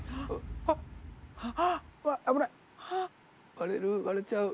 割れる割れちゃう。